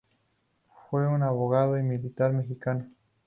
Fue un abogado y militar mexicano.